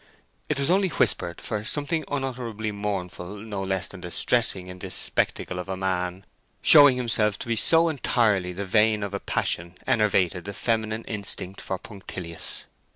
It was only whispered, for something unutterably mournful no less than distressing in this spectacle of a man showing himself to be so entirely the vane of a passion enervated the feminine instinct for punctilios.